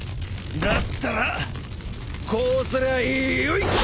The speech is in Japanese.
だったらこうすりゃいいよい。